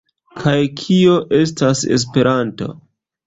Kaj kio estas Esperanto?